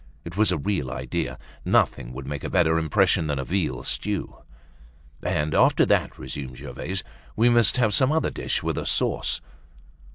It was a real idea, nothing would make a better impression than a veal stew. "And after that," resumed Gervaise, "we must have some other dish with a sauce."